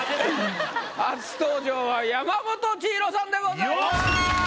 初登場は山本千尋さんでございます。